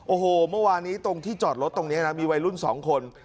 โอ้โหเมื่อวานนี้ตรงที่จอดรถตรงนี้นะมีวัยรุ่น๒คน